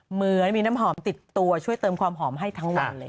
เหมือนมีน้ำหอมติดตัวช่วยเติมความหอมให้ทั้งวันเลย